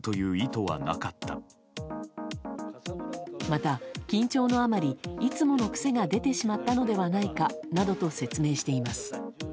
また、緊張のあまりいつもの癖が出てしまったのではないかなどと説明しています。